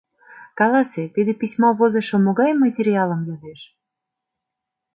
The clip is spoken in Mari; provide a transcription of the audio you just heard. Каласе, тиде письма возышо могай материалым йодеш?